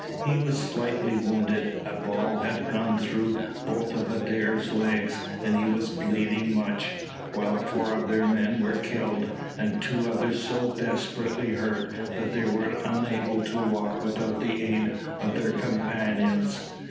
He was slightly wounded, a ball had gone through both of Adair's legs, and he was bleeding much, while four of their men were killed, and two others so desperately hurt that they were unable to walk without the aid of their companions.